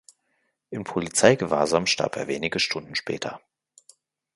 Im Polizeigewahrsam starb er wenige Stunden später.